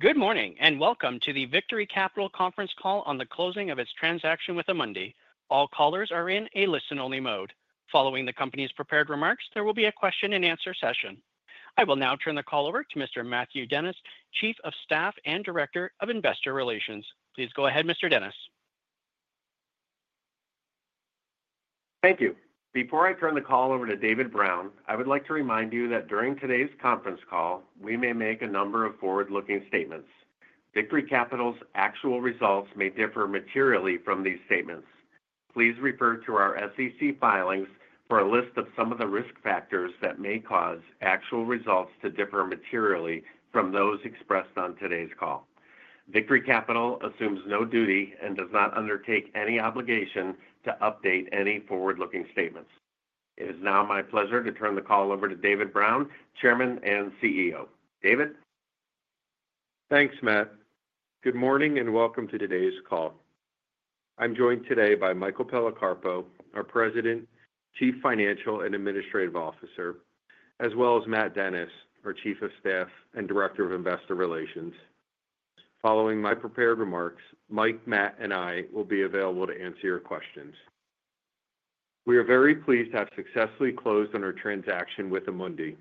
Good morning and welcome to the Victory Capital Conference Call on the closing of its transaction with Amundi. All callers are in a listen-only mode. Following the company's prepared remarks, there will be a question-and-answer session. I will now turn the call over to Mr. Matthew Dennis, Chief of Staff and Director of Investor Relations. Please go ahead, Mr. Dennis. Thank you. Before I turn the call over to David Brown, I would like to remind you that during today's conference call, we may make a number of forward-looking statements. Victory Capital's actual results may differ materially from these statements. Please refer to our SEC filings for a list of some of the risk factors that may cause actual results to differ materially from those expressed on today's call. Victory Capital assumes no duty and does not undertake any obligation to update any forward-looking statements. It is now my pleasure to turn the call over to David Brown, Chairman and CEO. David? Thanks, Matt. Good morning and welcome to today's call. I'm joined today by Michael Policarpo, our President, Chief Financial and Administrative Officer, as well as Matt Dennis, our Chief of Staff and Director of Investor Relations. Following my prepared remarks, Mike, Matt, and I will be available to answer your questions. We are very pleased to have successfully closed on our transaction with Amundi.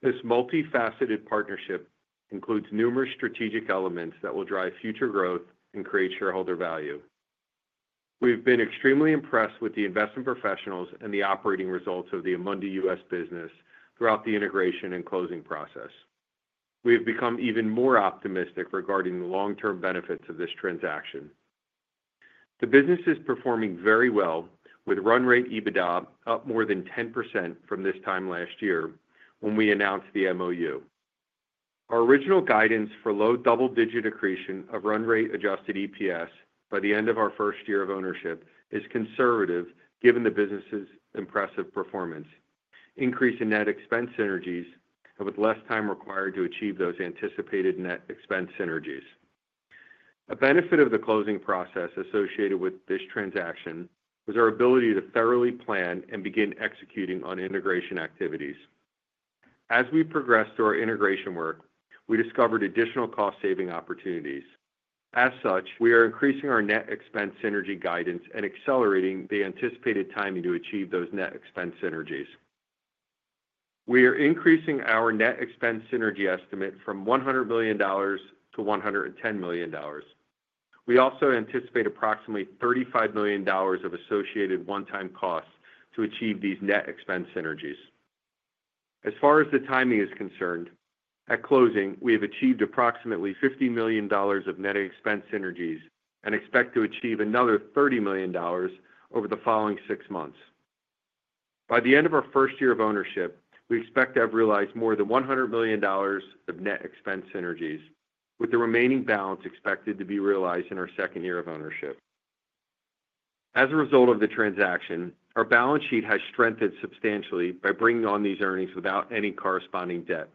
This multifaceted partnership includes numerous strategic elements that will drive future growth and create shareholder value. We've been extremely impressed with the investment professionals and the operating results of the Amundi US business throughout the integration and closing process. We have become even more optimistic regarding the long-term benefits of this transaction. The business is performing very well, with run rate EBITDA up more than 10% from this time last year when we announced the MOU. Our original guidance for low double-digit accretion of run rate adjusted EPS by the end of our first year of ownership is conservative given the business's impressive performance, increase in net expense synergies, and with less time required to achieve those anticipated net expense synergies. A benefit of the closing process associated with this transaction was our ability to thoroughly plan and begin executing on integration activities. As we progressed through our integration work, we discovered additional cost-saving opportunities. As such, we are increasing our net expense synergy guidance and accelerating the anticipated timing to achieve those net expense synergies. We are increasing our net expense synergy estimate from $100 million-$110 million. We also anticipate approximately $35 million of associated one-time costs to achieve these net expense synergies. As far as the timing is concerned, at closing, we have achieved approximately $50 million of net expense synergies and expect to achieve another $30 million over the following six months. By the end of our first year of ownership, we expect to have realized more than $100 million of net expense synergies, with the remaining balance expected to be realized in our second year of ownership. As a result of the transaction, our balance sheet has strengthened substantially by bringing on these earnings without any corresponding debt.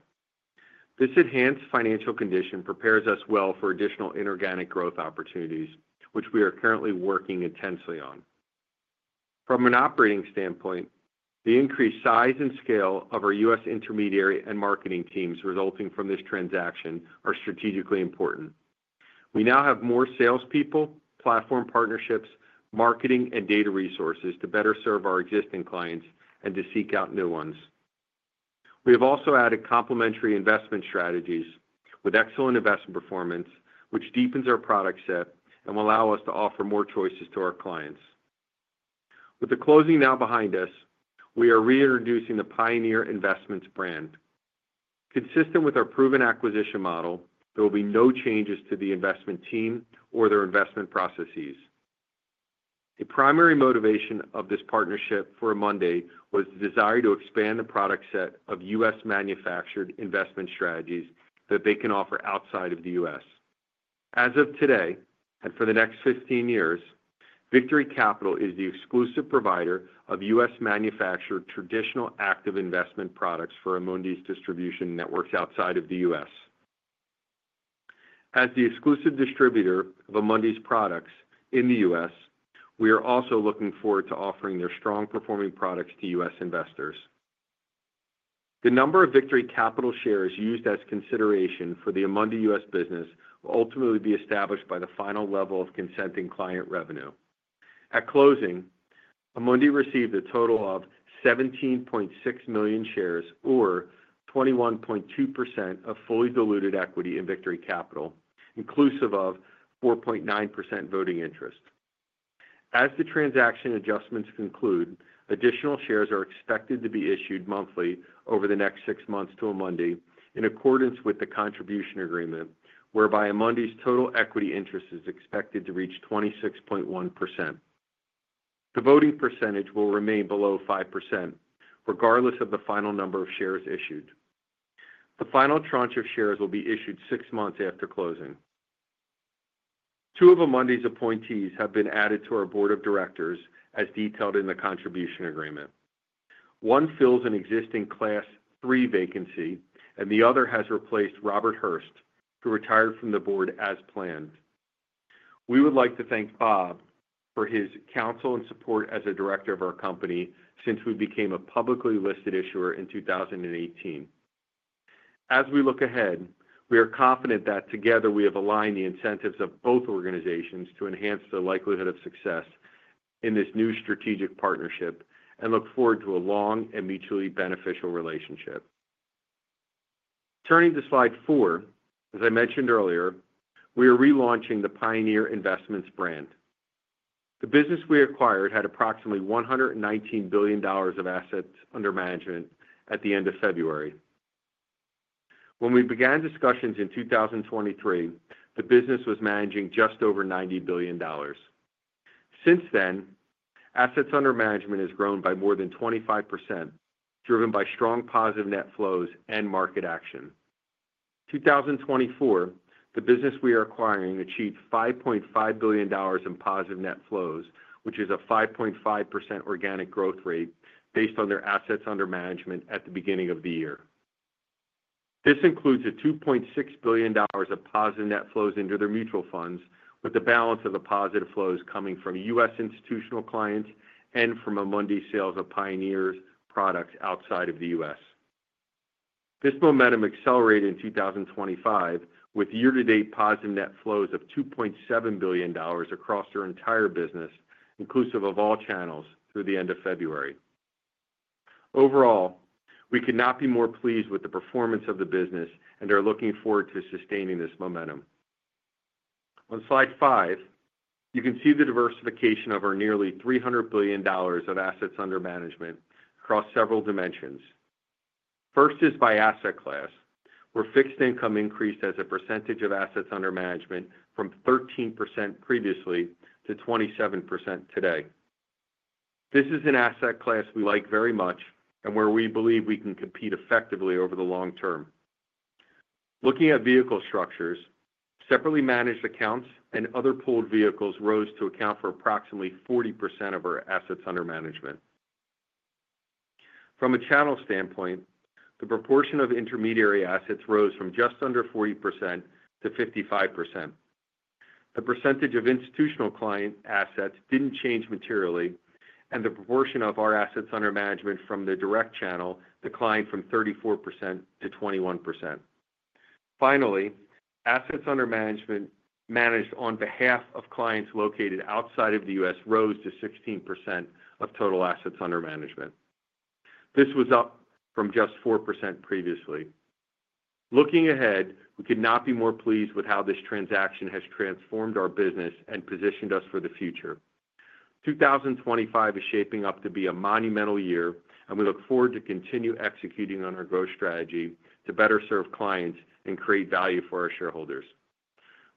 This enhanced financial condition prepares us well for additional inorganic growth opportunities, which we are currently working intensely on. From an operating standpoint, the increased size and scale of our U.S. intermediary and marketing teams resulting from this transaction are strategically important. We now have more salespeople, platform partnerships, marketing, and data resources to better serve our existing clients and to seek out new ones. We have also added complementary investment strategies with excellent investment performance, which deepens our product set and will allow us to offer more choices to our clients. With the closing now behind us, we are reintroducing the Pioneer Investments brand. Consistent with our proven acquisition model, there will be no changes to the investment team or their investment processes. The primary motivation of this partnership for Amundi was the desire to expand the product set of U.S.-manufactured investment strategies that they can offer outside of the U.S. As of today and for the next 15 years, Victory Capital is the exclusive provider of U.S.-manufactured traditional active investment products for Amundi's distribution networks outside of the U.S. As the exclusive distributor of Amundi's products in the U.S., we are also looking forward to offering their strong-performing products to U.S. investors. The number of Victory Capital shares used as consideration for the Amundi US business will ultimately be established by the final level of consenting client revenue. At closing, Amundi received a total of 17.6 million shares, or 21.2% of fully diluted equity in Victory Capital, inclusive of 4.9% voting interest. As the transaction adjustments conclude, additional shares are expected to be issued monthly over the next six months to Amundi in accordance with the contribution agreement, whereby Amundi's total equity interest is expected to reach 26.1%. The voting percentage will remain below 5% regardless of the final number of shares issued. The final tranche of shares will be issued six months after closing. Two of Amundi's appointees have been added to our board of directors, as detailed in the contribution agreement. One fills an existing Class III vacancy, and the other has replaced Robert Hurst, who retired from the board as planned. We would like to thank Bob for his counsel and support as a director of our company since we became a publicly listed issuer in 2018. As we look ahead, we are confident that together we have aligned the incentives of both organizations to enhance the likelihood of success in this new strategic partnership and look forward to a long and mutually beneficial relationship. Turning to slide four, as I mentioned earlier, we are relaunching the Pioneer Investments brand. The business we acquired had approximately $119 billion of assets under management at the end of February. When we began discussions in 2023, the business was managing just over $90 billion. Since then, assets under management have grown by more than 25%, driven by strong positive net flows and market action. In 2024, the business we are acquiring achieved $5.5 billion in positive net flows, which is a 5.5% organic growth rate based on their assets under management at the beginning of the year. This includes $2.6 billion of positive net flows into their mutual funds, with the balance of the positive flows coming from U.S. institutional clients and from Amundi sales of Pioneer's products outside of the U.S. This momentum accelerated in 2025, with year-to-date positive net flows of $2.7 billion across their entire business, inclusive of all channels, through the end of February. Overall, we could not be more pleased with the performance of the business and are looking forward to sustaining this momentum. On slide five, you can see the diversification of our nearly $300 billion of assets under management across several dimensions. First is by asset class, where fixed income increased as a percentage of assets under management from 13% previously to 27% today. This is an asset class we like very much and where we believe we can compete effectively over the long term. Looking at vehicle structures, separately managed accounts and other pooled vehicles rose to account for approximately 40% of our assets under management. From a channel standpoint, the proportion of intermediary assets rose from just under 40%-55%. The percentage of institutional client assets did not change materially, and the proportion of our assets under management from the direct channel declined from 34% to 21%. Finally, assets under management managed on behalf of clients located outside of the U.S. rose to 16% of total assets under management. This was up from just 4% previously. Looking ahead, we could not be more pleased with how this transaction has transformed our business and positioned us for the future. 2025 is shaping up to be a monumental year, and we look forward to continuing executing on our growth strategy to better serve clients and create value for our shareholders.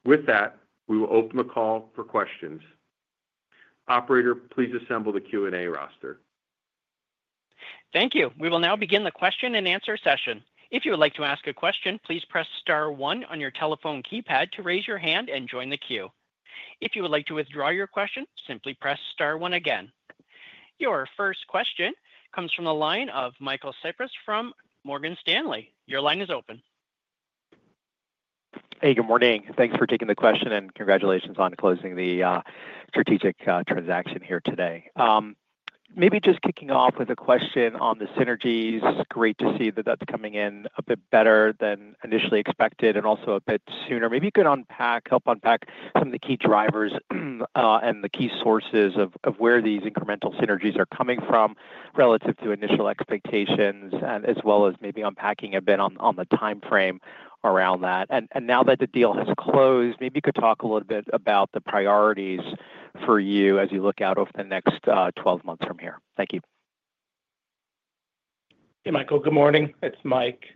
With that, we will open the call for questions. Operator, please assemble the Q&A roster. Thank you. We will now begin the question-and-answer session. If you would like to ask a question, please press star one on your telephone keypad to raise your hand and join the queue. If you would like to withdraw your question, simply press star one again. Your first question comes from the line of Michael Cyprys from Morgan Stanley. Your line is open. Hey, good morning. Thanks for taking the question, and congratulations on closing the strategic transaction here today. Maybe just kicking off with a question on the synergies. Great to see that that's coming in a bit better than initially expected and also a bit sooner. Maybe you could help unpack some of the key drivers and the key sources of where these incremental synergies are coming from relative to initial expectations, as well as maybe unpacking a bit on the timeframe around that. Now that the deal has closed, maybe you could talk a little bit about the priorities for you as you look out over the next 12 months from here. Thank you. Hey, Michael. Good morning. It's Mike.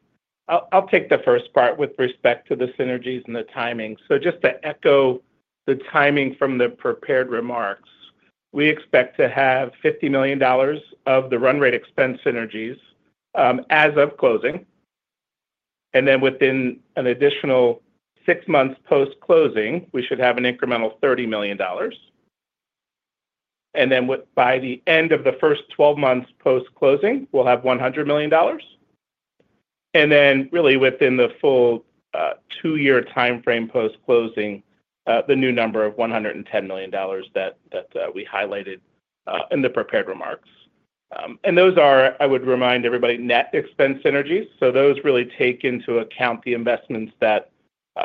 I'll take the first part with respect to the synergies and the timing. Just to echo the timing from the prepared remarks, we expect to have $50 million of the run rate expense synergies as of closing. Within an additional six months post-closing, we should have an incremental $30 million. By the end of the first 12 months post-closing, we'll have $100 million. Within the full two-year timeframe post-closing, the new number of $110 million that we highlighted in the prepared remarks. Those are, I would remind everybody, net expense synergies. Those really take into account the investments that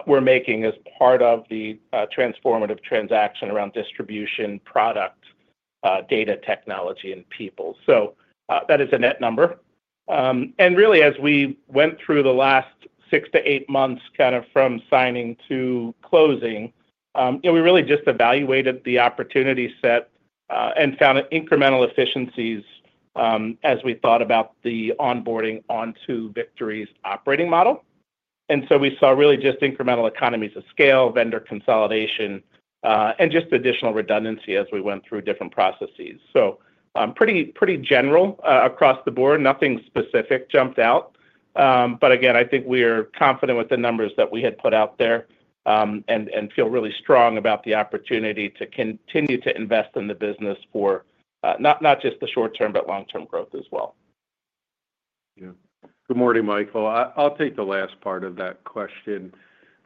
we're making as part of the transformative transaction around distribution, product, data, technology, and people. That is a net number. Really, as we went through the last six to eight months kind of from signing to closing, we really just evaluated the opportunity set and found incremental efficiencies as we thought about the onboarding onto Victory's operating model. We saw really just incremental economies of scale, vendor consolidation, and just additional redundancy as we went through different processes. Pretty general across the board. Nothing specific jumped out. Again, I think we are confident with the numbers that we had put out there and feel really strong about the opportunity to continue to invest in the business for not just the short-term, but long-term growth as well. Yeah. Good morning, Michael. I'll take the last part of that question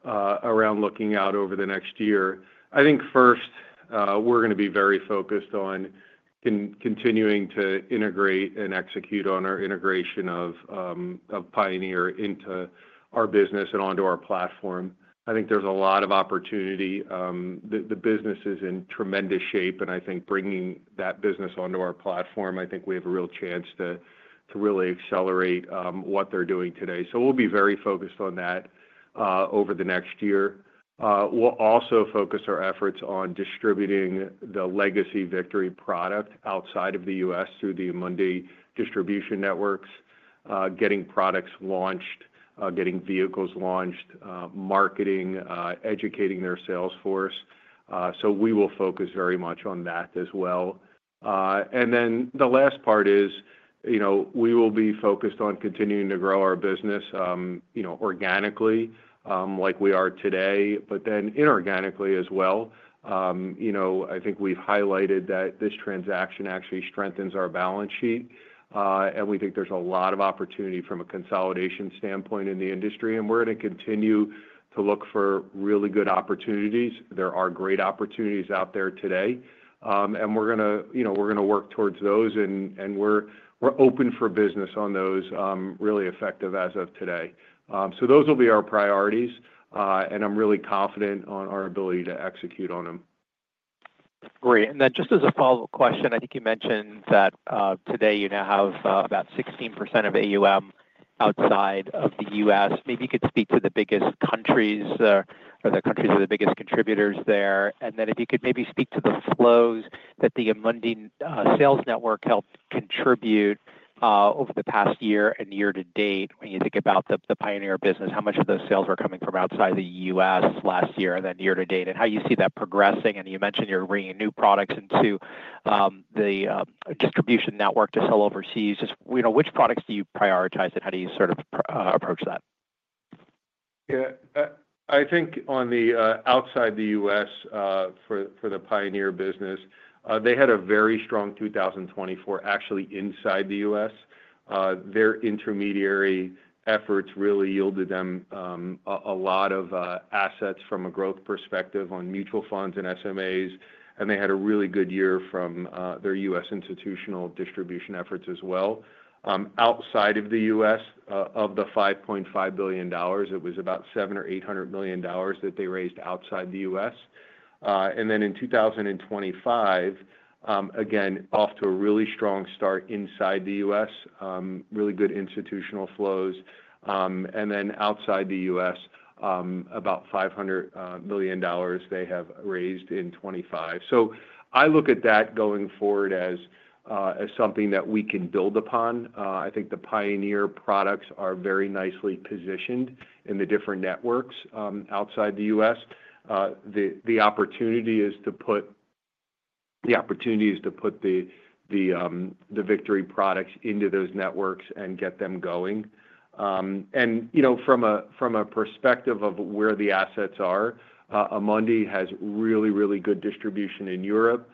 around looking out over the next year. I think first, we're going to be very focused on continuing to integrate and execute on our integration of Pioneer into our business and onto our platform. I think there's a lot of opportunity. The business is in tremendous shape, and I think bringing that business onto our platform, I think we have a real chance to really accelerate what they're doing today. We will be very focused on that over the next year. We'll also focus our efforts on distributing the legacy Victory product outside of the U.S. through the Amundi distribution networks, getting products launched, getting vehicles launched, marketing, educating their salesforce. We will focus very much on that as well. The last part is we will be focused on continuing to grow our business organically like we are today, but then inorganically as well. I think we've highlighted that this transaction actually strengthens our balance sheet, and we think there's a lot of opportunity from a consolidation standpoint in the industry, and we're going to continue to look for really good opportunities. There are great opportunities out there today, and we're going to work towards those, and we're open for business on those, really effective as of today. Those will be our priorities, and I'm really confident on our ability to execute on them. Great. Just as a follow-up question, I think you mentioned that today you now have about 16% of AUM outside of the U.S. Maybe you could speak to the biggest countries or the countries that are the biggest contributors there. If you could maybe speak to the flows that the Amundi sales network helped contribute over the past year and year to date. When you think about the Pioneer business, how much of those sales were coming from outside the U.S. last year and year to date, and how you see that progressing. You mentioned you're bringing new products into the distribution network to sell overseas. Just which products do you prioritize, and how do you sort of approach that? Yeah. I think on the outside of the U.S. for the Pioneer business, they had a very strong 2024. Actually, inside the U.S., their intermediary efforts really yielded them a lot of assets from a growth perspective on mutual funds and SMAs, and they had a really good year from their U.S. institutional distribution efforts as well. Outside of the U.S., of the $5.5 billion, it was about $700 million or $800 million that they raised outside the U.S. In 2025, again, off to a really strong start inside the U.S., really good institutional flows. Outside the U.S., about $500 million they have raised in 2025. I look at that going forward as something that we can build upon. I think the Pioneer products are very nicely positioned in the different networks outside the U.S. The opportunity is to put the Victory products into those networks and get them going. From a perspective of where the assets are, Amundi has really, really good distribution in Europe,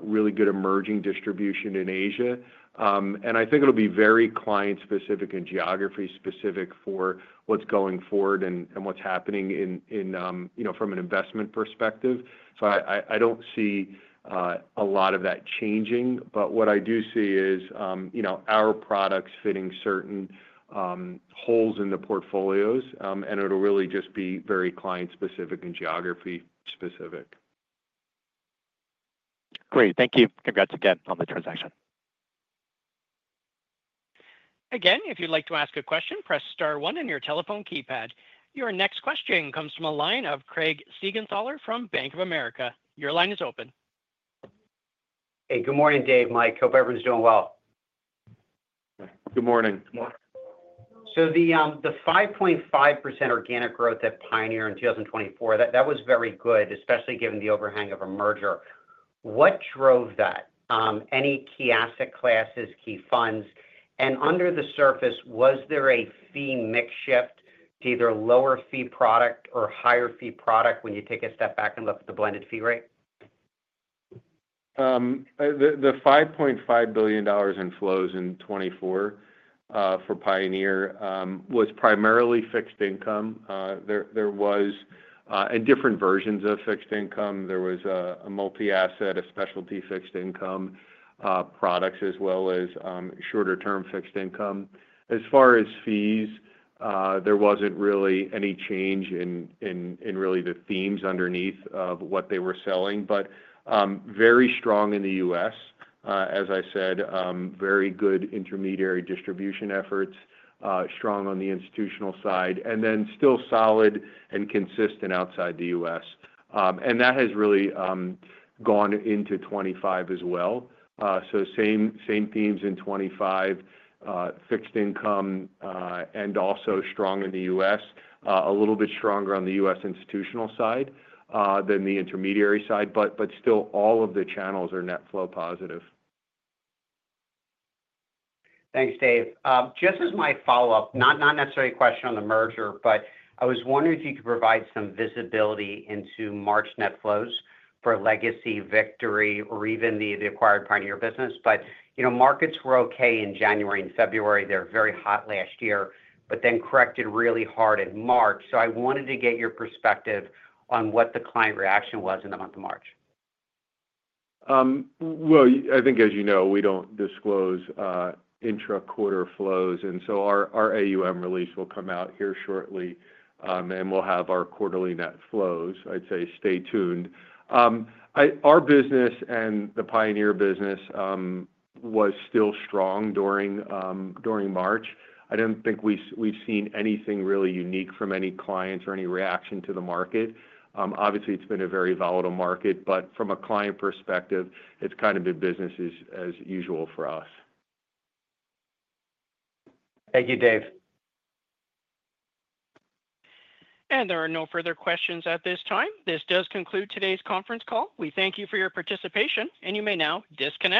really good emerging distribution in Asia. I think it'll be very client-specific and geography-specific for what's going forward and what's happening from an investment perspective. I don't see a lot of that changing, but what I do see is our products fitting certain holes in the portfolios, and it'll really just be very client-specific and geography-specific. Great. Thank you. Congrats again on the transaction. Again, if you'd like to ask a question, press star one on your telephone keypad. Your next question comes from a line of Craig Siegenthaler from Bank of America. Your line is open. Hey, good morning, Dave, Mike. Hope everyone's doing well. Good morning. The 5.5% organic growth at Pioneer in 2024, that was very good, especially given the overhang of a merger. What drove that? Any key asset classes, key funds? Under the surface, was there a fee mix shift to either lower fee product or higher fee product when you take a step back and look at the blended fee rate? The $5.5 billion in flows in 2024 for Pioneer was primarily fixed income. There were different versions of fixed income. There was a multi-asset, a specialty fixed income products, as well as shorter-term fixed income. As far as fees, there was not really any change in really the themes underneath of what they were selling, but very strong in the U.S., as I said, very good intermediary distribution efforts, strong on the institutional side, and then still solid and consistent outside the U.S. That has really gone into 2025 as well. Same themes in 2025, fixed income, and also strong in the U.S., a little bit stronger on the U.S. institutional side than the intermediary side, but still all of the channels are net flow positive. Thanks, Dave. Just as my follow-up, not necessarily a question on the merger, but I was wondering if you could provide some visibility into March net flows for legacy Victory or even the acquired Pioneer business. Markets were okay in January and February. They were very hot last year, but then corrected really hard in March. I wanted to get your perspective on what the client reaction was in the month of March. I think, as you know, we do not disclose intra-quarter flows. Our AUM release will come out here shortly, and we will have our quarterly net flows. I would say stay tuned. Our business and the Pioneer business was still strong during March. I do not think we have seen anything really unique from any clients or any reaction to the market. Obviously, it has been a very volatile market, but from a client perspective, it has kind of been business as usual for us. Thank you, Dave. There are no further questions at this time. This does conclude today's conference call. We thank you for your participation, and you may now disconnect.